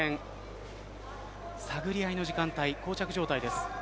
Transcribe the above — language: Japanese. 探り合いの時間帯こう着状態です。